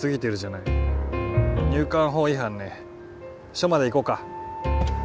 署まで行こうか。